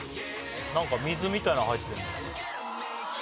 何か水みたいの入ってる。